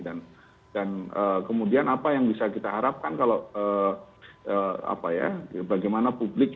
dan kemudian apa yang bisa kita harapkan kalau apa ya bagaimana publik